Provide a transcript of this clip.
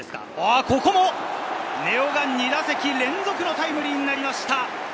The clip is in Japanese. ここも根尾が２打席連続のタイムリーになりました。